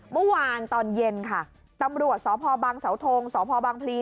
เมื่อวานตอนเย็นค่ะตำรวจสพบังเสาทงสพบางพลี